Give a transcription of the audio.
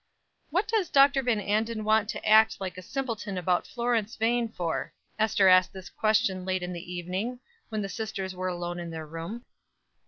"What does Dr. Van Anden want to act like a simpleton about Florence Vane for?" Ester asked this question late in the evening, when the sisters were alone in their room.